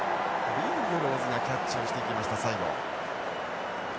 リングローズがキャッチをしていきました最後。